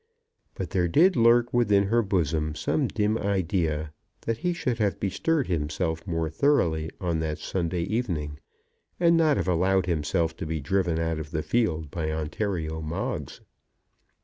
But there did lurk within her bosom some dim idea that he should have bestirred himself more thoroughly on that Sunday evening, and not have allowed himself to be driven out of the field by Ontario Moggs.